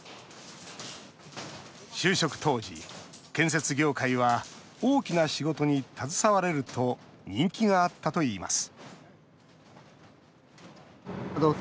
就職当時、建設業界は大きな仕事に携われると人気があったといいます